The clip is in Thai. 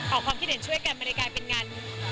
ความคิดเห็นช่วยกันมันเลยกลายเป็นงาน